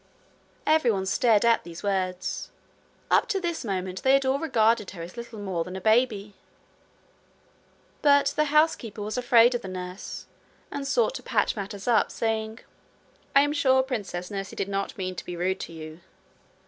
Every one stared at these words. Up to this moment they had all regarded her as little more than a baby. But the housekeeper was afraid of the nurse, and sought to patch matters up, saying: 'I am sure, princess, nursie did not mean to be rude to you.'